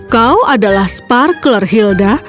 kau adalah sparkler hilda